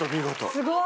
すごーい。